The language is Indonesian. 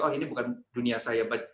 oh ini bukan dunia sahabat